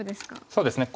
そうですね。